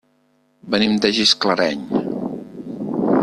Venim de Gisclareny.